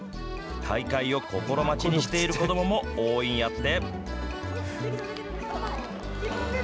大会を心待ちにしている子供も多いんやって。